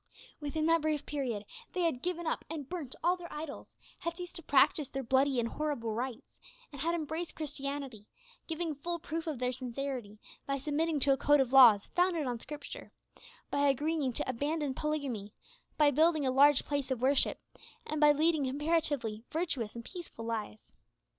Within that brief period they had given up and burnt all their idols, had ceased to practise their bloody and horrible rites, and had embraced Christianity giving full proof of their sincerity by submitting to a code of laws founded on Scripture, by agreeing to abandon polygamy, by building a large place of worship, and by leading comparatively virtuous and peaceful lives.